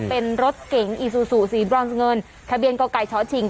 เป็นรถเก่งอีซูซูสีดรอนซ์เงินทะเบียนเกาะไก่เฉาะฉิง